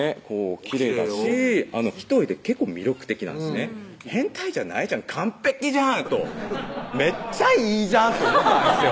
きれいだし一重で結構魅力的なんですね変態じゃないじゃん完璧じゃんとめっちゃいいじゃんと思ったんですよ